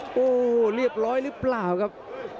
โอ้โหเรียบร้อยหรือเปล่าครับ